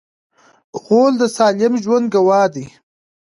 غول د سالم ژوند ګواه دی.